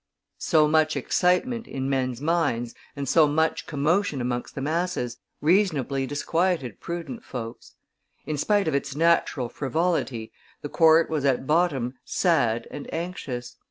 '" So much excitement in men's minds, and so much commotion amongst the masses, reasonably disquieted prudent folks. In spite of its natural frivolity, the court was at bottom sad and anxious.